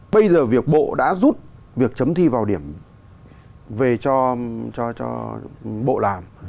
bây giờ việc bộ đã rút việc chấm thi vào điểm về cho bộ làm